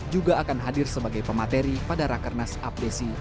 juga akan hadir sebagai pemateri pada rakernas abdesi